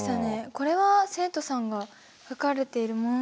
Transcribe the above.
これは生徒さんが書かれているものならきっとオッケーですよね。